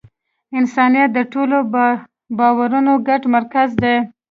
انسانیت د ټولو باورونو ګډ مرکز دی.